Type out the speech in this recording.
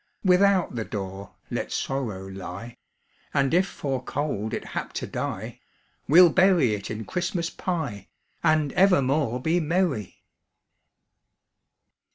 Without the door let sorrow lie, And if for cold it hap to die, We'll bury it in Christmas pie, And evermore be merry!